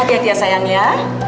hati hatilah sayang ya